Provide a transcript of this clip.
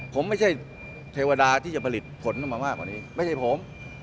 ผมไม่ใช่เทวดาที่จะผลิตผลออกมามากกว่านี้ไม่ใช่ผม